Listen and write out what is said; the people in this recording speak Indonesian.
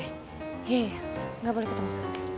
yeay gak boleh ketemu